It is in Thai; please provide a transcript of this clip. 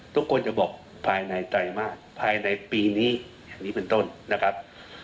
ทุกคนจะบอกภายในไตรมาสภายในปีนี้อย่างนี้เป็นต้นนะครับ